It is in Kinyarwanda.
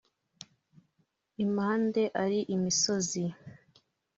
impande ari imisozi